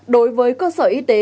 đối với cơ sở y tế